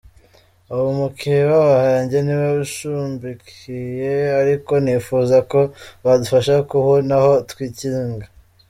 Ubu mukeba wanjye niwe unshumbikiye ariko nifuza ko badufasha kubona aho twikinga”.